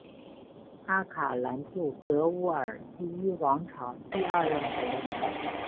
阿卡兰杜格乌尔第一王朝第二任国王。